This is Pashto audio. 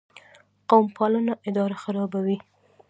قوم پالنه اداره خرابوي